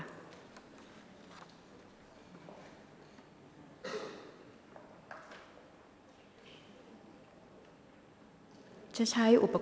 กรรมการใหม่เลขเก้า